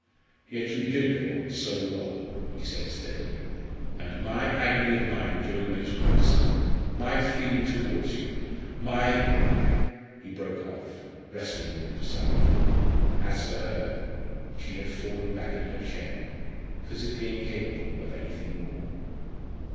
"Yet you did go on so long," he said steadily; "and my agony of mind during those weeks my feeling towards you my " He broke off, wrestling with himself. As for her, she had fallen back in her chair, physically incapable of anything more.